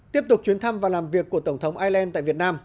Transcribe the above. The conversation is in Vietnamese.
tiếp tục chuyến thăm và làm việc của tổng thống ireland tại việt nam